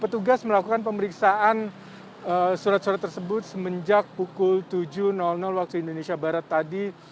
petugas melakukan pemeriksaan surat surat tersebut semenjak pukul tujuh waktu indonesia barat tadi